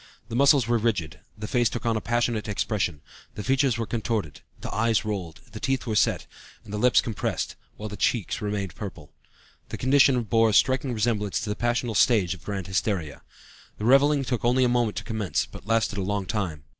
The muscles were rigid, the face took on a passionate expression; the features were contorted, the eyes rolled, the teeth were set, and the lips compressed, while the cheeks were purple. The condition bore a striking resemblance to the passional stage of grand hysteria. The reveling took only a moment to commence, but lasted a long time.